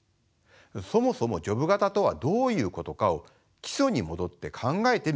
そもそもジョブ型とはどういうことかを基礎に戻って考えてみましょう。